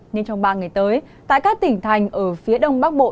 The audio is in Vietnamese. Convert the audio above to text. nên trong ba ngày tới tại các tỉnh thành ở phía đông bắc bộ